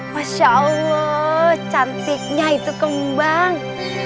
masya allah cantiknya itu kembang